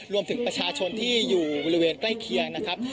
รวมถึงประชาชนที่อยู่บริเวณใกล้เคียงนะครับ